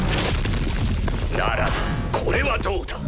ならばこれはどうだ？